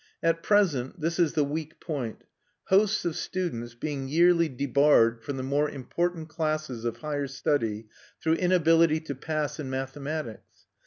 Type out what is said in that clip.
At present this is the weak point; hosts of students being yearly debarred from the more important classes of higher study through inability to pass in mathematics.